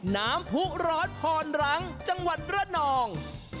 ๒น้ำผู้ร้อนพรหลังจังหวัดเรื้อนอง